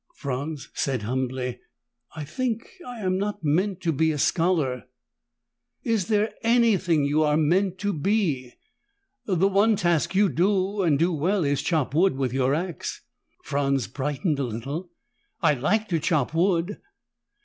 Franz said humbly, "I think I am not meant to be a scholar." "Is there anything you are meant to be? The one task you do, and do well, is chop wood with your ax." Franz brightened a little. "I like to chop wood."